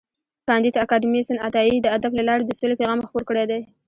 کانديد اکاډميسن عطايي د ادب له لارې د سولې پیغام خپور کړی دی.